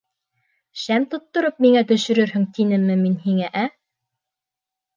— Шәм тоттороп миңә төшөрөрһөң, тинемме мин һиңә, ә?